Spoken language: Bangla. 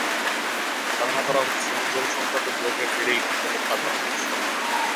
ধারণা করা হচ্ছে, জমি সংক্রান্ত বিরোধের জেরেই তাঁকে হত্যা করা হয়েছে।